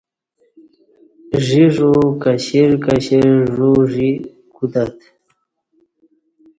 ژی ژو کشر کشر ژو ژی کوتت